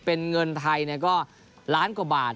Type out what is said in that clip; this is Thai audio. เป็นเงินไทยก็ล้านกว่าบาท